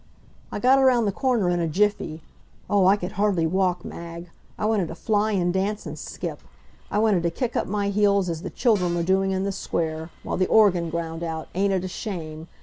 I got around the corner in a jiffy. Oh, I could hardly walk, Mag! I wanted to fly and dance and skip. I wanted to kick up my heels as the children were doing in the Square, while the organ ground out, Ain't It a Shame?